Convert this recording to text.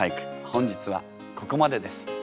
本日はここまでです。